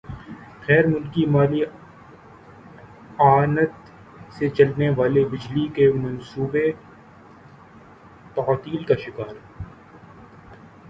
غیر ملکی مالی اعانت سے چلنے والے بجلی کے منصوبے تعطل کا شکار